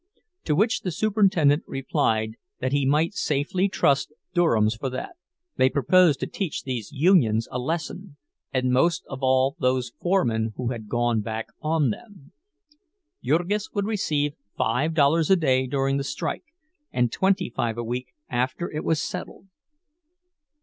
To which the superintendent replied that he might safely trust Durham's for that—they proposed to teach these unions a lesson, and most of all those foremen who had gone back on them. Jurgis would receive five dollars a day during the strike, and twenty five a week after it was settled.